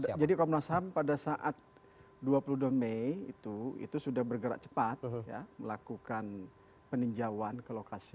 ya jadi komnas ham pada saat dua puluh dua mei itu sudah bergerak cepat melakukan peninjauan ke lokasi